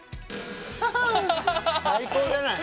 最高じゃない。